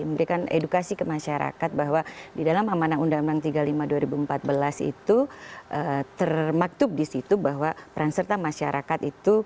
memberikan edukasi ke masyarakat bahwa di dalam amanah undang undang tiga puluh lima dua ribu empat belas itu termaktub di situ bahwa peran serta masyarakat itu